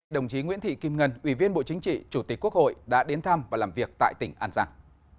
đồng chí nguyễn thị kim ngân ủy viên bộ chính trị chủ tịch quốc hội đã đến thăm và làm việc tại tỉnh an giang